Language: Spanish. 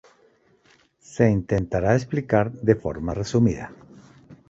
Se intentara explicar de forma resumida.